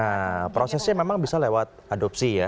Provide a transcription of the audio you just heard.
nah prosesnya memang bisa lewat adopsi ya